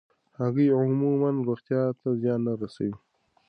هګۍ عموماً روغتیا ته زیان نه رسوي.